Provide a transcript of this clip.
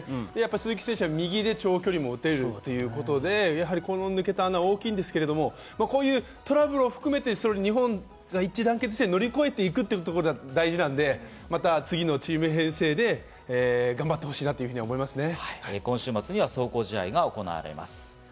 鈴木選手は右で長距離も打てるということで、この抜けた穴は大きいんですけれども、こういうトラブルを含めて、日本が一致団結して乗り越えていくところが大事なのでまた、次のチーム編成で頑張ってほしいなと思いますね。